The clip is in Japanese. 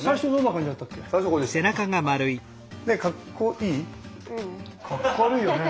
かっこ悪いよね。